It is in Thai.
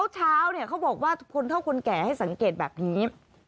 เช้าเขาบอกว่าคนเท่าคนแก่ให้สังเกตแบบนี้